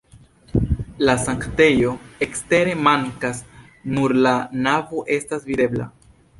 La sanktejo ekstere mankas, nur la navo estas videbla.